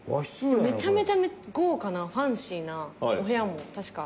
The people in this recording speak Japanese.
めちゃめちゃ豪華なファンシーなお部屋も確か。